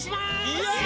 イエーイ！